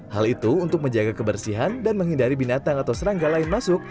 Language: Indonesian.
hal itu untuk menjaga kebersihan dan menghindari binatang atau serangga lain masuk